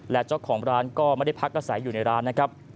แต่เจ้าของร้านก็ไม่ได้พักระใสอยู่ในร้าน